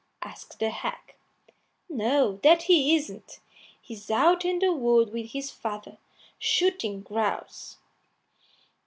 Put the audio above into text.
asked the hag. "No, that he isn't. He's out in the wood with his father, shooting grouse."